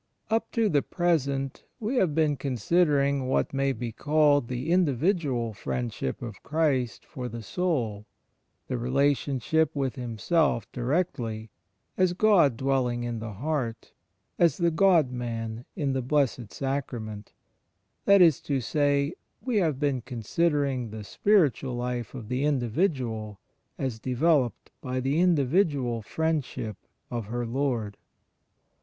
Up to the present we have been considering what may be called the Individual Friendship of Christ for the soul — the relationship with Himself directly, as God dwell ing in the heart, as the God Man in the Blessed Sacra ment — that is to say, we have been considering the spiritual life of the individual as developed by the Individual Friendship of her Lord.